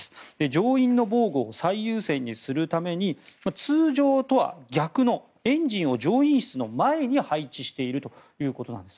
乗員の防護を最優先にするために通常とは逆のエンジンを乗員室の前に配置しているということです。